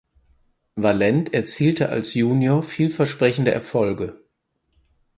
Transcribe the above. Valent erzielte als Junior vielversprechende Erfolge.